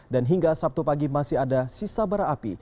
dan hingga sabtu pagi masih ada sisa bara api